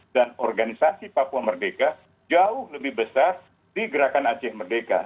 dan organisasi papua merdeka jauh lebih besar di gerakan aceh merdeka